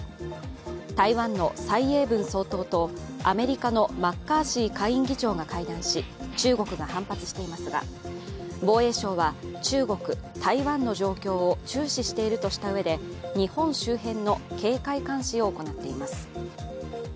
台湾の蔡英文総統とアメリカのマッカーシー下院議長が会談し、中国が反発していますが防衛省は、中国・台湾の状況を注視しているとしたうえで日本周辺の警戒監視を行っています。